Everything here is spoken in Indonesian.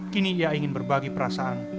kini ia ingin berbagi perasaan